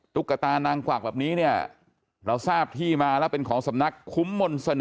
ตุ๊กตานางกวักแบบนี้เนี่ยเราทราบที่มาแล้วเป็นของสำนักคุ้มมนต์เสน่ห